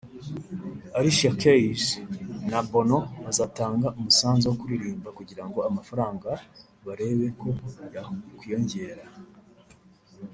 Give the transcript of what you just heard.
Alicia Keys na Bono bazatanga umusanzu wo kuririmba kugira ngo amafaranga barebe ko yakwiyongera